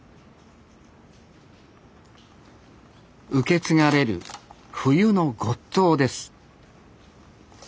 受け継がれる冬のごっつぉです